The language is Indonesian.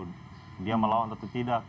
dia melawan atau tidak